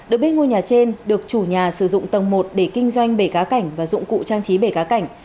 được biết ngôi nhà trên được chủ nhà sử dụng tầng một để kinh doanh bể cá cảnh và dụng cụ trang trí bể cá cảnh